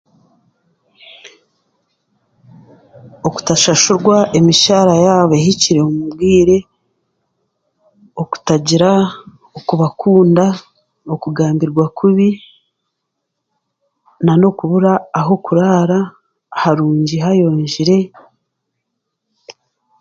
Okutashashura emishaara yaaba eikire omu bwire, okutagira okubakunda kubi nan'okubura ahokuraara harungi hayonjire